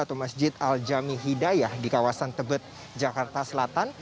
atau masjid al jami hidayah di kawasan tebet jakarta selatan